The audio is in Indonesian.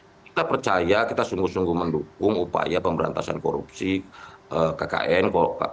kita percaya kita sungguh sungguh mendukung upaya pemberantasan korupsi kkn